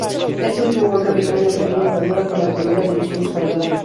Este último fue capitán en la pequeña andadura por la Primera División Española.